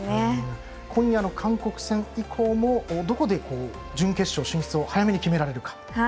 韓国戦以降もどこで準決勝進出を早めに決められるか。